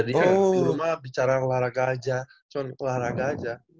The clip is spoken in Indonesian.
di rumah bicara olahraga aja cuman olahraga aja